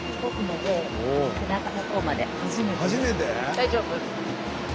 大丈夫？